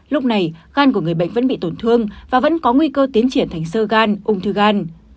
lúc này gan của người bệnh vẫn bị tổn thương và vẫn có nguy cơ tiến triển thành sơ gan ung thư gan